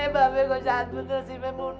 bae kok cahat betul sih mene